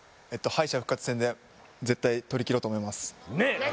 敗者復活戦で絶対とりきろうと思いますねえ